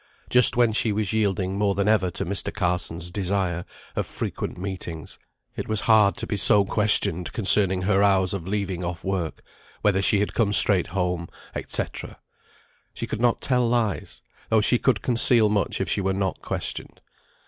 Just when she was yielding more than ever to Mr. Carson's desire of frequent meetings, it was hard to be so questioned concerning her hours of leaving off work, whether she had come straight home, &c. She could not tell lies; though she could conceal much if she were not questioned.